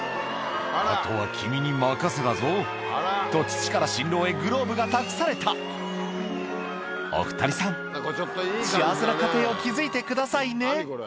「あとは君に任せたぞ」と父から新郎へグラブが託されたお２人さん幸せな家庭を築いてくださいね